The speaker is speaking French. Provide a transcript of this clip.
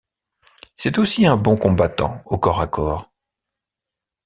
C'est aussi un bon combattant au corps a corps.